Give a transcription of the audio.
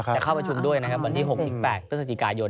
จะเข้าประชุมด้วยนะครับวันที่๖๘พฤศจิกายน